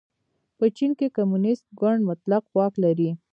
په چین کې کمونېست ګوند مطلق واک لري.